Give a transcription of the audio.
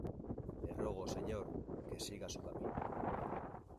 le ruego, señor , que siga su camino.